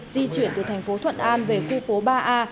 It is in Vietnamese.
di chuyển từ thành phố thuận an về khu phố ba a